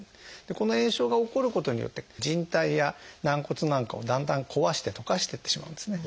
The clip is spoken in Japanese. この炎症が起こることによって靭帯や軟骨なんかをだんだん壊して溶かしていってしまうんですね。